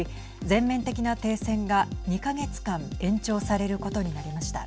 全面的な停戦が２か月間延長されることになりました。